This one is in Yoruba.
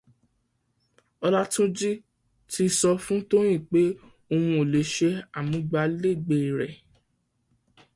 Ọlátúnjí ti sọ fún Tóyìn pé òun ò le ̀ṣe amúgbálẹ́gbẹ rẹ̀.